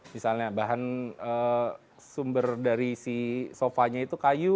misalnya bahan sumber dari si sofanya itu kayu